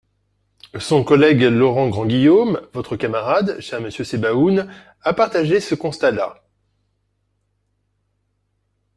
Son collègue Laurent Grandguillaume, votre camarade, cher monsieur Sebaoun, a partagé ce constat-là.